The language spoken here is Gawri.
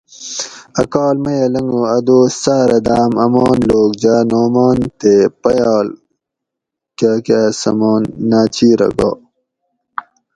ا کال میہ لنگو ا دوس ساۤرہ داۤم امان لوک جاۤ نعمان تے پیال کاۤکاۤ سمان ناۤچیرہ گا